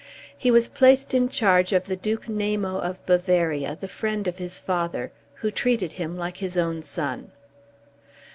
He was placed in charge of the Duke Namo of Bavaria, the friend of his father, who treated him like his own son.